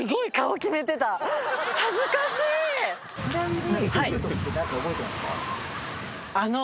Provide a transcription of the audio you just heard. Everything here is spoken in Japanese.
ちなみに。